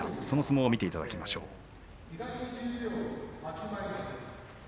その相撲を見ていただきましょう。